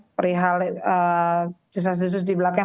perihal jasad jasad di belakang